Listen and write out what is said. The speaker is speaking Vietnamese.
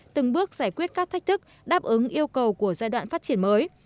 từng bước giải quyết các thách thức đáp ứng yêu cầu của giai đoạn phát triển mới